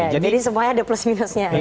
jadi semua ada plus minusnya